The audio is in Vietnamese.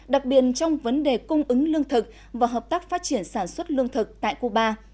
đặc biệt trong vấn đề cung ứng lương thực và hợp tác phát triển sản xuất lương thực tại cuba